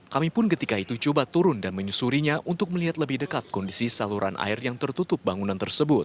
kami pun ketika itu coba turun dan menyusurinya untuk melihat lebih dekat kondisi saluran air yang tertutup bangunan tersebut